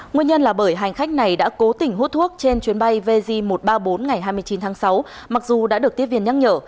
nguyên nhân là bởi hành khách này đã cố tình hút thuốc trên chuyến bay vj một trăm ba mươi bốn ngày hai mươi chín tháng sáu mặc dù đã được tiếp viên nhắc nhở